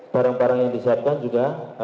barang barang yang disiapkan juga